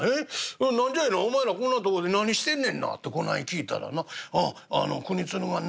『何じゃいなお前らこんなとこで何してんねんな？』ってこない聞いたらなあの国鶴がな